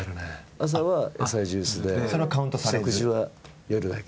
朝は野菜ジュースで、食事は夜だけ。